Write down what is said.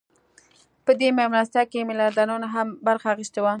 په دې مېلمستیا کې میلیاردرانو هم برخه اخیستې وه